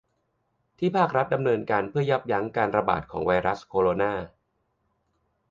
ที่ภาครัฐดำเนินการเพื่อยับยั่งการระบาดของไวรัสโคโรนา